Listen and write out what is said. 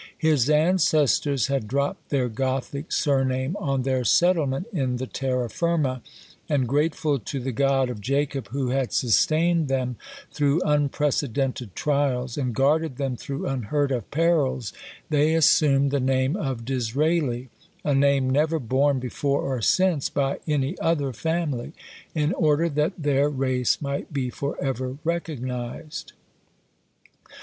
His ancestors had dropped their Gothic surname on their settlement in the Terra Firma, and grateful to the God of Jacob who had sustained them through unprecedented trials and guarded them through unheard of perils, they assumed the name of DISRAELI, a name never borne before or since by any other family, in order that their race might be for ever recognised.